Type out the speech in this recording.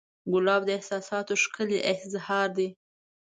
ګلاب د احساساتو ښکلی اظهار دی.